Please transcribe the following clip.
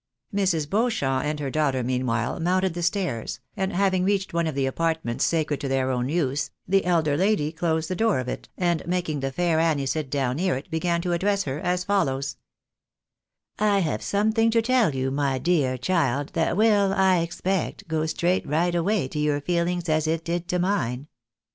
Mrs. Beauchamp and her daughter, meanwhile, mounted the stairs, and having reached one of the apartments sacred to their own use, the elderly lady closed the door of it, and making the fair Annie sit down near it, began to address her as follows :—" I have something to tell you, my dear child, that will, I expect, go straight right away to your feelings as it did to mine.